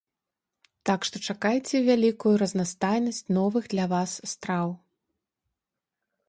Так што чакайце вялікую разнастайнасць новых для вас страў.